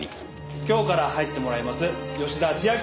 今日から入ってもらいます吉田千秋さんです。